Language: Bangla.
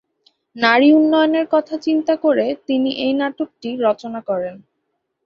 নারী উন্নয়নের কথা চিন্তা করে তিনি এই নাটকটি রচনা করেন।